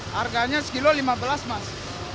harganya sekilo lima belas mas